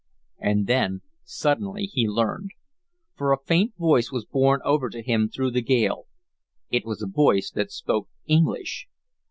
And then suddenly he learned; for a faint voice was borne over to him through the gale. It was a voice that spoke English!